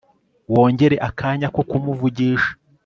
wongere akanya ko kumuvugisha